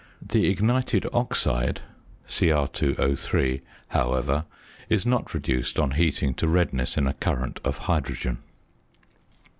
The ignited oxide, Cr_O_, however, is not reduced on heating to redness in a current of hydrogen.